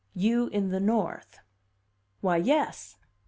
"You in the North." "Why, yes.